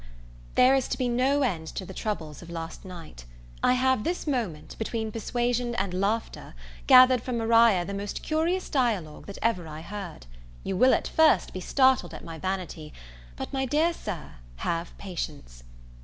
THERE is to be no end to the troubles of last night. I have this moment, between persuasion and laughter, gathered from Maria the most curious dialogue that ever I heard. You will at first be startled at my vanity; but, my dear Sir, have patience!